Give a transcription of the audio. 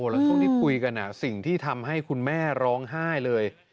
แล้วช่วงที่คุยกันสิ่งที่ทำให้คุณแม่ร้องไห้เลย